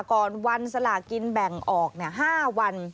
ก่อนวันสลากินแบ่งออก๕วัน